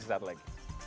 sampai saat lain